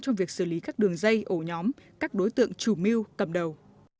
trong việc xử lý các đường dây ổ nhóm các đối tượng chủ mưu cầm đầu